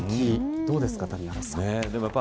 どうですか谷原さん。